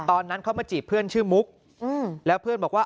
ตอนนั้นเขามาจีบเพื่อนชื่อมุกแล้วเพื่อนบอกว่า